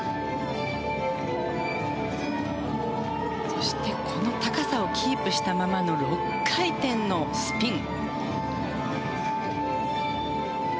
そして、この高さをキープしたままの６回転のスピン。